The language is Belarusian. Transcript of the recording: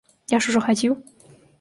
Я ж ужо хадзіў.